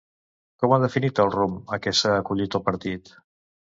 Com ha definit el rumb a què s'ha acollit el partit?